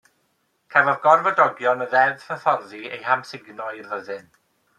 Cafodd gorfodogion y ddeddf hyfforddi eu hamsugno i'r fyddin.